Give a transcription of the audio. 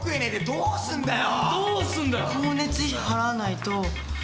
どうすんだよ。